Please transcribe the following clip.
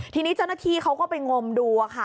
ทีนี้เจ้าหน้าที่เขาก็ไปงมดูค่ะ